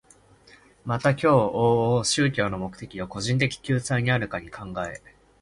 また今日往々宗教の目的を個人的救済にあるかに考え、